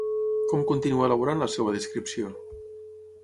Com continua elaborant la seva descripció?